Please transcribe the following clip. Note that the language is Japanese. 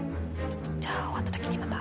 じゃ終わったときにまた。